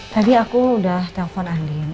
tadi aku udah telpon andin